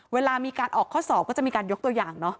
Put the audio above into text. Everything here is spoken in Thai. เวลามีการออกข้อสอบก็จะมีการยกตัวอย่างเนอะ